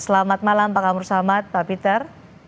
selamat malam pak kabur samad pak peter